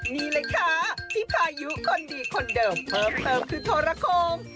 นี่เลยค่ะที่พายุคนดีคนเดิมเพิ่มเติมคือโทรโคม